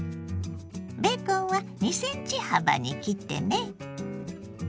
ベーコンは２ｃｍ幅に切ってね。